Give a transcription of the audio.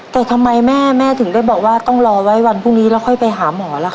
แต่ทำไมแม่แม่ถึงได้บอกว่าต้องรอไว้วันพรุ่งนี้แล้วค่อยไปหาหมอล่ะค